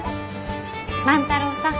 万太郎さん。